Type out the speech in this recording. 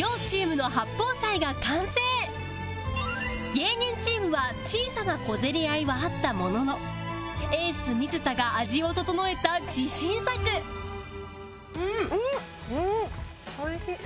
芸人チームは小さな小競り合いはあったもののエース水田が味を調えた自信作うん！うん！おいしい。